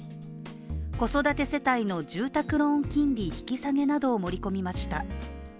子育て世帯の住宅ローン金利引き下げなどを盛り込みました。